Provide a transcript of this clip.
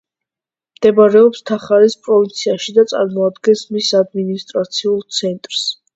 მდებარეობს თახარის პროვინციაში და წარმოადგენს მის ადმინისტრაციულ ცენტრს.